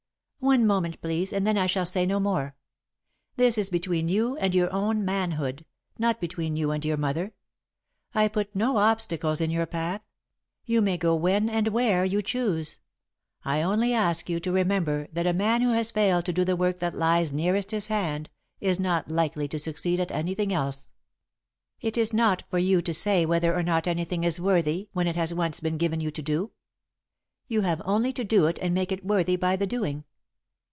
"One moment, please, and then I shall say no more. This is between you and your own manhood, not between you and your mother. I put no obstacles in your path you may go when and where you choose. I only ask you to remember that a man who has failed to do the work that lies nearest his hand is not likely to succeed at anything else. "It is not for you to say whether or not anything is worthy when it has once been given you to do. You have only to do it and make it worthy by the doing.